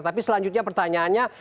tapi selanjutnya pertanyaannya